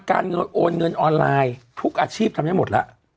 โอนเงินออนไลน์ทุกอาชีพทำได้หมดแล้ว